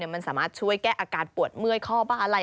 มันสามารถช่วยแก้อาการปวดเมื่อยข้อบ้าอะไร